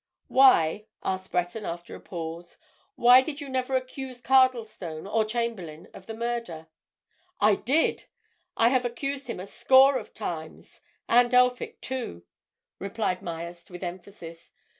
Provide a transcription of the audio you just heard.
"Why," asked Breton, after a pause, "why did you never accuse Cardlestone, or Chamberlayne, of the murder?" "I did! I have accused him a score of times—and Elphick, too," replied Myerst with emphasis.